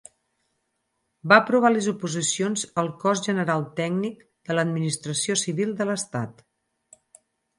Va aprovar les oposicions al Cos General Tècnic de l'Administració Civil de l'Estat.